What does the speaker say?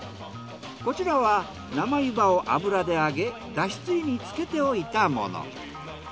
こちらは生湯波を油で揚げだしつゆに漬けておいたもの。